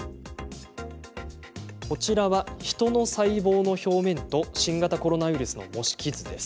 こちらは、ヒトの細胞の表面と新型コロナウイルスの模式図です。